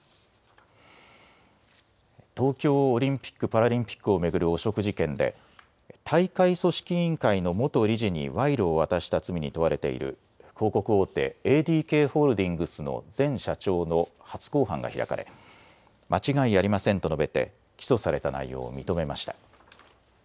東京オリンピック・パラリンピックを巡る汚職事件で、大会組織委員会の元理事に賄賂を渡した罪に問われている広告大手、ＡＤＫホールディングスの前社長の初公判が開かれ間違いありませんと述べて起訴された内容を認めました。